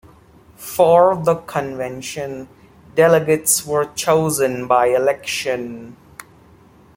For the convention, delegates were chosen by election.